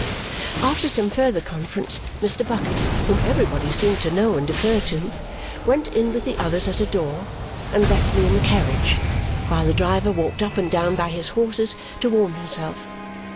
After some further conference, Mr. Bucket (whom everybody seemed to know and defer to) went in with the others at a door and left me in the carriage, while the driver walked up and down by his horses to warm himself.